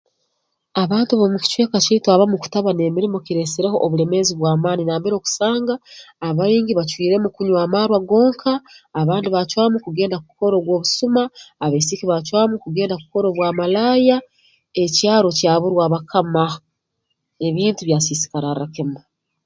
Abantu b'omu kicweka kyaitu abamu kutaba n'emirimo kireesereho obulemeezi bw'amaani nambere okusanga abaingi bacwiremu kunywa amarwa gonka abandi baacwamu kugenda kukora ogw'obusuma abaisiki baacwamu kugenda kukora obwa malaaya ekyaro kyaburwa abakama ebintu byasisikararra kimu